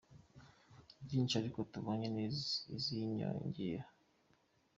nyinshi ariko tubonye iz’inyongera.